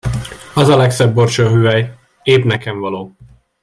Az a legszebb borsóhüvely, épp nekem való.